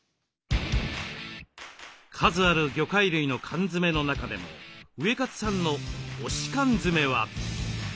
数ある魚介類の缶詰の中でもウエカツさんの「推し缶詰」は？